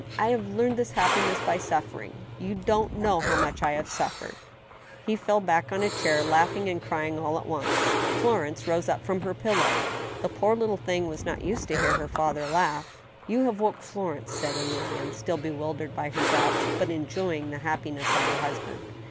I have earned this happiness by suffering. You don't know how much I have suf ered !" He fell back on a chair, laughing and crying all at once. Florence rose up from her pillow. The poor little thing was not used to hear her father laugh. " You have woke Florence," said Emilienne. still bewildered by her doubts, but enjoying the happiness of her husband.